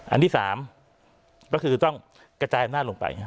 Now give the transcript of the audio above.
อันที่๓ก็คือต้องกระจายอำนาจลงไป